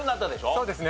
そうですね。